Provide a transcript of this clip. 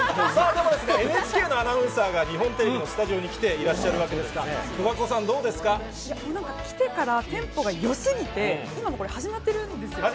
ＮＨＫのアナウンサーが日本テレビのスタジオに来ていらっしゃるわけですが、なんか来てからテンポがよすぎて、今、もうこれ、始まってるんですよね？